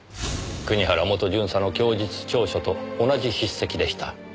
国原元巡査の供述調書と同じ筆跡でした。